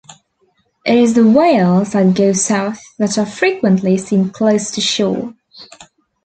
It is the whales that go south that are frequently seen close to shore.